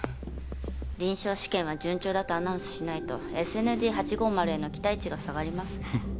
臨床試験は順調だとアナウンスしないとＳＮＤ８５０への期待値が下がります